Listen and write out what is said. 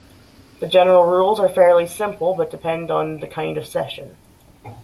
The general rules are fairly simple, but depend on the kind of session.